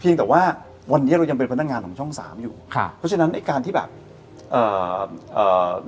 ยังแต่ว่าวันนี้เรายังเป็นพนักงานของช่องสามอยู่ค่ะเพราะฉะนั้นไอ้การที่แบบเอ่อเอ่อ